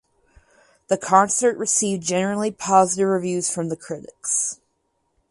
The concert received generally positive reviews from the critics.